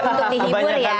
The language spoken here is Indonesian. untuk dihibur ya